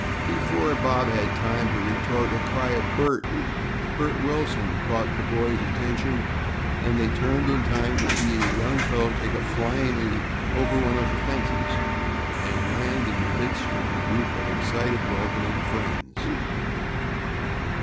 Before Bob had time to retort, a cry of "Bert, Bert Wilson!" caught the boys' attention, and they turned in time to see a young fellow take a flying leap over one of the fences and land in the midst of a group of excited, welcoming friends.